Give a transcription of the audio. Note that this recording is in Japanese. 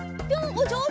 おっじょうず！